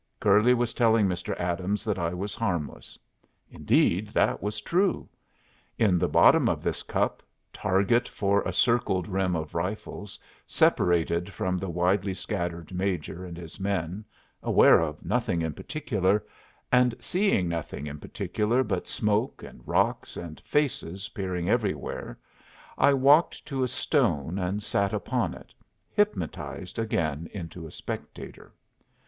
Curly was telling Mr. Adams that I was harmless. Indeed, that was true! In the bottom of this cup, target for a circled rim of rifles, separated from the widely scattered Major and his men, aware of nothing in particular, and seeing nothing in particular but smoke and rocks and faces peering everywhere, I walked to a stone and sat upon it, hypnotized again into a spectator.